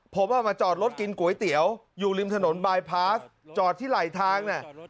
ผมเอามาจอดรถกินก๋วยเตี๋ยวอยู่ริมถนนบายพาสจอดที่ไหลทางน่ะ